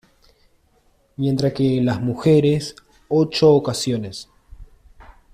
Mientras que, las mujeres ocho ocasiones.